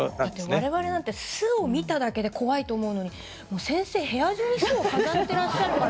われわれなんて巣を見ただけで怖いと思うのに先生は部屋中に巣を飾っていらっしゃるから。